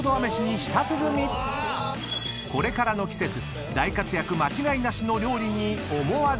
［これからの季節大活躍間違いなしの料理に思わず］